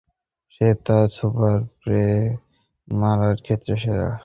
সে তার super spray মারার ক্ষেত্রে সেরা।